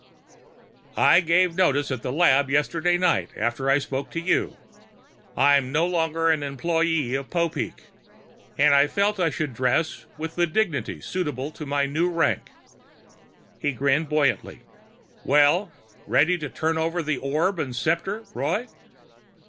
"I gave notice at the lab yesterday, night after I spoke to you. I'm no longer an employee of Popeek. And I felt I should dress with the dignity suitable to my new rank." He grinned buoyantly. "Well, ready to turn over the orb and scepter, Roy?"